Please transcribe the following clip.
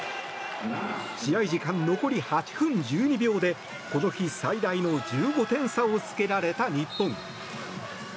試合時間、残り８分１２秒でこの日最大の１５点差をつけられた日本。